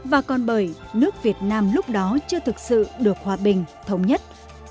và còn bởi nước việt nam lúc đó chưa thực sự được hòa bình thống nhất